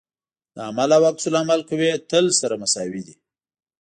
د عمل او عکس العمل قوې تل سره مساوي دي.